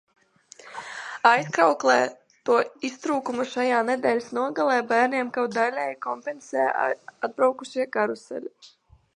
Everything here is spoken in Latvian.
Aizkrauklē to iztrūkumu šajā nedēļas nogalē bērniem kaut daļēji kompensēja atbraukušie karuseļi.